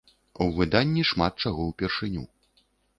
У выданні шмат чаго ўпершыню.